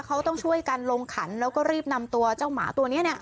เขาต้องช่วยกันลงขันแล้วก็รีบนำตัวเจ้าหมาตัวนี้เนี่ย